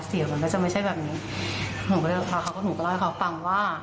เสียความก็จะไม่ใช่แบบนี้ถ้าคนหนูก็ร้องไห้เขาฟังว่า